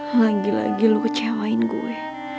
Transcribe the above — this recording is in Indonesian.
lagi lagi lu kecewain gue